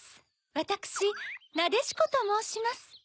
わたくしなでしこともうします。